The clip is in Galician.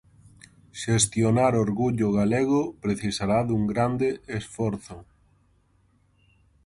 Xestionar Orgullo Galego precisará dun grande esforzo.